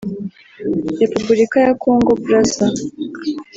Repubulika ya Kongo Brazza